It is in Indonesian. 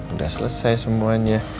udah selesai semuanya